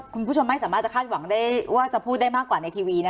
คุณผู้ชมไม่สามารถจะคาดหวังได้ว่าจะพูดได้มากกว่าในทีวี